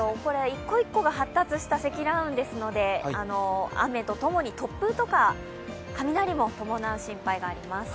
一個一個が発達した積乱雲ですので雨とともに突風とか雷も伴う心配があります。